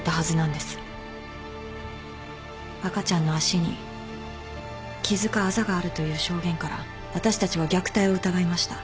赤ちゃんの脚に傷かあざがあるという証言から私たちは虐待を疑いました。